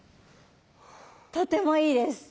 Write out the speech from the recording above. とてもいいです。